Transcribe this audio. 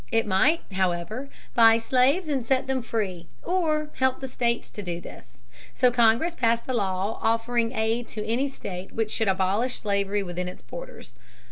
It might, however, buy slaves and set them free or help the states to do this. So Congress passed a law offering aid to any state which should abolish slavery within its borders.